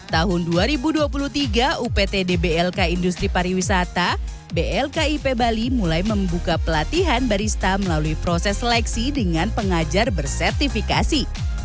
tahun dua ribu dua puluh tiga upt dblk industri pariwisata blkip bali mulai membuka pelatihan barista melalui proses seleksi dengan pengajar bersertifikasi